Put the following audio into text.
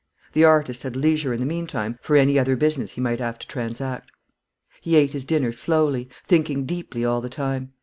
The artist had leisure in the meantime for any other business he might have to transact. He ate his dinner slowly, thinking deeply all the time.